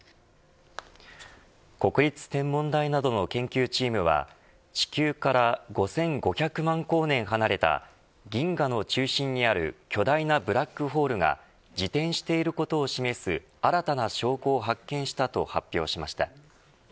国立天文台などの研究チームは地球から５５００万光年離れた銀河の中心にある巨大なブラックホールが自転していることを示す新たな証拠を発見したと発表しました。